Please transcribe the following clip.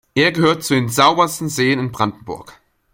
Er gehört zu den saubersten Seen in Brandenburg.